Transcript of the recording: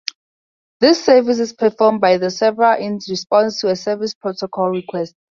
This service is performed by the server in response to a service protocol request.